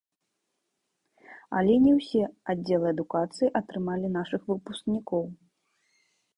Але не ўсе аддзелы адукацыі атрымалі нашых выпускнікоў.